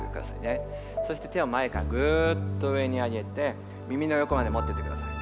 そして手を前からぐっと上に上げて耳の横まで持っていってください。